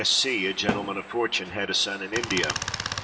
S—— C——, a gentleman of fortune, had a son in India.